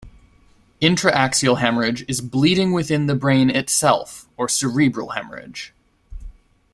Intra-axial hemorrhage is bleeding within the brain itself, or cerebral hemorrhage.